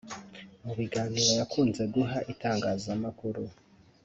Mu biganiro yakunze guha itangazamakuru